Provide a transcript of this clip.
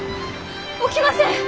起きません！